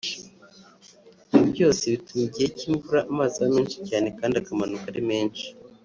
ibi byose bituma igihe cy’imvura amazi aba menshi cyane kandi akamanuka ari menshi